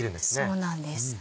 そうなんです。